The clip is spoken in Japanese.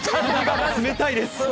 冷たいです。